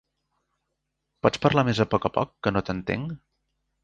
Pots parlar més a molt a poc, que no t'entenc?